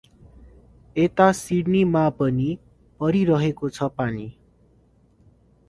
यता सिड्नीमा पनि परिरहेको छ पानी ।